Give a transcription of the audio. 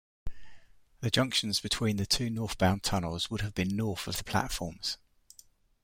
The junctions between the two northbound tunnels would have been north of the platforms.